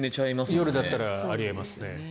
夜だったらあり得ますね。